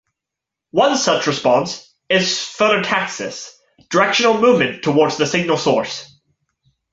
One such response is phonotaxis - directional movement towards the signal source.